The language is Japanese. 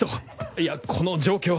いやこの状況。